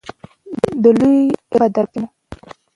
د لوی رب په دربار کې مو.